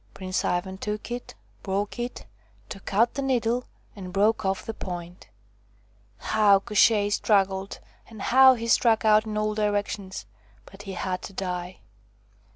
Prince Ivan took it, broke it, took out the needle, and broke off the point. How Koshchei struggled, and how he struck out in all directions but he had to die